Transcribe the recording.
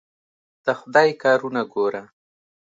د خدای کارونه ګوره.